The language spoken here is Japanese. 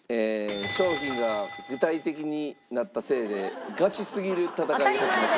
賞品が具体的になったせいでガチすぎる戦いが。